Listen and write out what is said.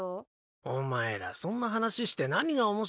お前らそんな話して何が面白いんだよ。